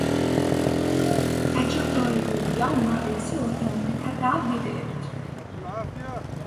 დაჯილდოებულია უმაღლესი ორდენებითა და მედლებით.